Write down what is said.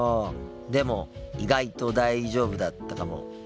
でも意外と大丈夫だったかも。